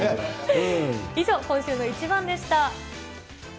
以上、今週のイチバンでした。